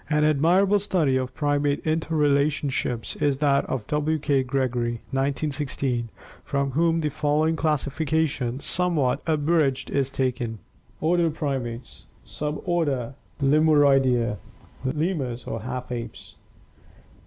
An admirable study of primate interrelationships is that of W. K. Gregory (1916), from whom the following classification, somewhat abridged, is taken: Order Primates Suborder Lemuroidea (lemurs or "half apes").